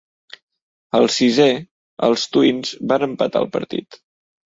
Al sisè, els Twins van empatar el partit.